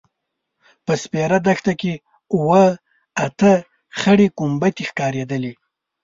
په سپېره دښته کې اوه – اته خړې کومبدې ښکارېدلې.